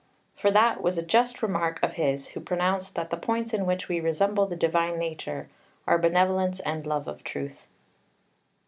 For that was a just remark of his who pronounced that the points in which we resemble the divine nature are benevolence and love of truth.